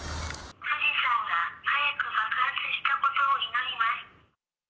富士山が早く爆発することを祈ります。